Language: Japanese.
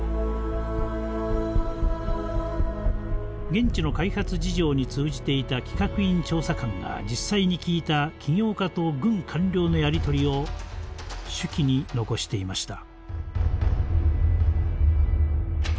現地の開発事情に通じていた企画院調査官が実際に聞いた企業家と軍官僚のやり取りを手記に残していました。